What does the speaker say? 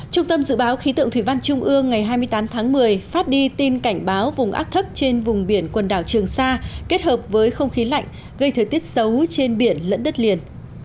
trung tâm dự báo khí tượng thủy văn trung ương ngày hai mươi tám tháng một mươi phát đi tin cảnh báo vùng áp thấp trên vùng biển quần đảo trường sa kết hợp với không khí lạnh gây thời tiết xấu trên biển lẫn đất liền